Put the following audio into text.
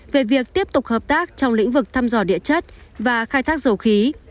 về việc tiếp tục hợp tác trong lĩnh vực thăm dò địa chất và khai thác dầu khí